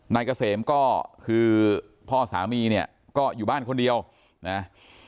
นายเกษมก็คือพ่อสามีเนี่ยก็อยู่บ้านคนเดียวนะ